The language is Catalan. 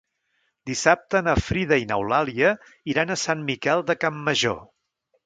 Dissabte na Frida i n'Eulàlia iran a Sant Miquel de Campmajor.